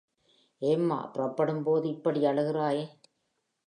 ஏம்மா புறப்படும்போது இப்படி அழுகிறாய்?